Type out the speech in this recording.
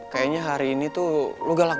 kayaknya hari ini tuh lo galak